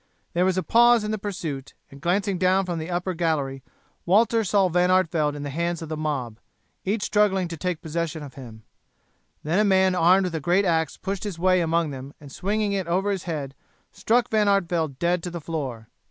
There was a pause in the pursuit, and glancing down from the upper gallery Walter saw Van Artevelde in the hands of the mob, each struggling to take possession of him; then a man armed with a great axe pushed his way among them, and swinging it over his head struck Van Artevelde dead to the floor.